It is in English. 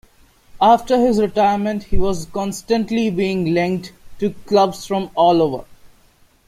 After his retirement he was constantly being linked to clubs from all over.